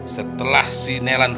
setelah si nelak